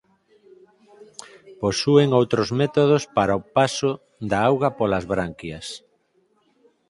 Posúen outros métodos para o paso da auga polas branquias.